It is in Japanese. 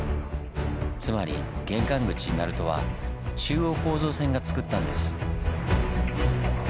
つまり玄関口鳴門は中央構造線がつくったんです。